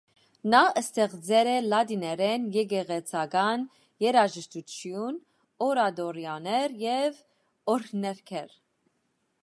Նա ստեղծել է լատիներեն եկեղեցական երաժշտություն, օրատորիաներ և օրհներգեր։